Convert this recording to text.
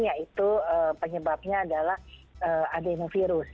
yaitu penyebabnya adalah adenovirus